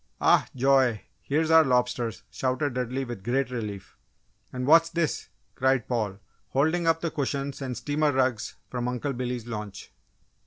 "Oh, joy! Here's our lobsters!" shouted Dudley, with great relief. "And what's this?" cried Paul, holding up the cushions and steamer rugs from Uncle Billy's launch.